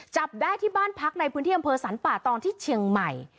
จับได้ที่บ้านพักในพื้นที่อำเภอสรรป่าตองที่เชียงใหม่